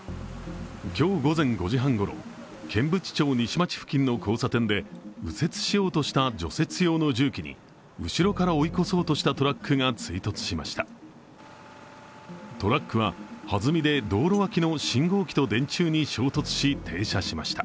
今日午前５時半ごろ、剣淵町西町付近の交差点で右折しようとした除雪用の重機に後ろから追い越そうとしたトラックが追突しました。